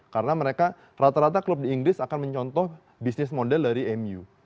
karena mereka rata rata klub di inggris akan mencontoh bisnis model dari mu